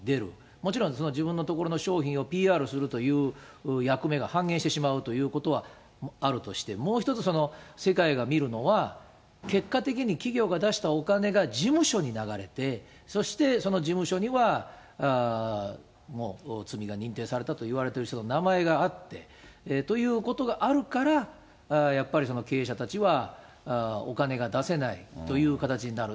もちろんその自分のところの商品をＰＲするという役目が半減してしまうということはあるとして、もう一つ、世界が見るのは、結果的に企業が出したお金が事務所に流れて、そしてその事務所にはもう罪が認定されたといわれている人の名前があって、ということがあるからやっぱり経営者たちはお金が出せないという形になる。